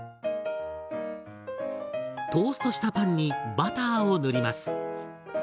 トーストしたパンにバターを塗ります。